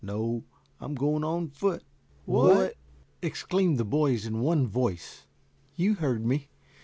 "No, I'm going on foot." "What!" exclaimed the boys in one voice. "You heard me.